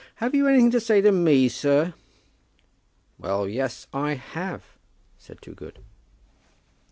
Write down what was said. Have you anything to say to me, sir?" "Well, yes; I have," said Toogood.